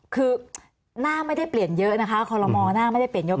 คือหน้าไม่ได้เปลี่ยนเยอะนะคะคอลโลมอล์